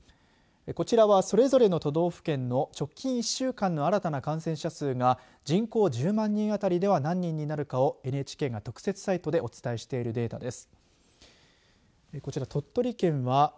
こちらはそれぞれの都道府県の直近１週間の新たな感染者数が人口１０万人当たりでは何人になるかをＮＨＫが特設サイトでお伝えしているデータです。